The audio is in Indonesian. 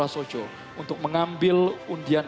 sojo untuk mengambil undian